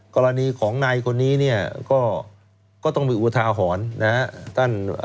กรณีของนายคนนี้ก็ก็ต้องมีอุทาหอน